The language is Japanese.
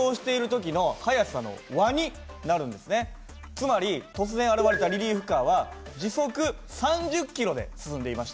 つまり突然現れたリリーフカーは時速３０キロで進んでいました。